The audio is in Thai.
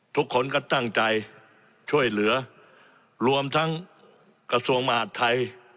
ทุกคนก็ตั้งใจช่วยเหลือรวมทั้งกระทรวงมหาดไทย